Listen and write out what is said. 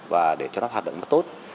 và để cho nó hoạt động tốt